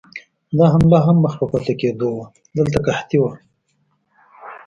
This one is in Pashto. دا حمله هم مخ په پاتې کېدو وه، دلته قحطي وه.